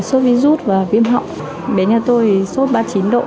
suốt virus viêm tay giữa